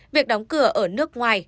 việc đóng cửa ở nước ngoài